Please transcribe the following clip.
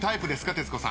徹子さん。